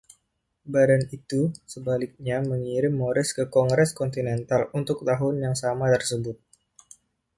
Badan itu, sebaliknya, mengirim Morris ke Kongres Kontinental untuk tahun yang sama tersebut.